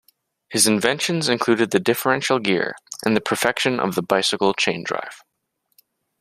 His inventions include the differential gear and the perfection of the bicycle chain drive.